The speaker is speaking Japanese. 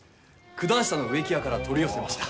九段下の植木屋から取り寄せました。